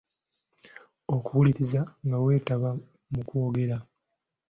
Okuwuliriza nga weetaba mu kwogera.